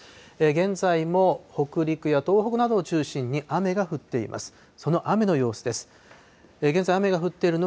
現在も北陸や東北などを中心に雨が降っています。